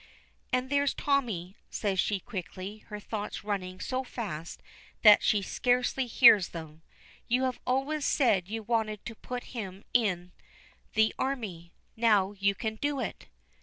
"And there's Tommy," says she quickly, her thoughts running so fast that she scarcely hears him. "You have always said you wanted to put him in the army. Now you can do it."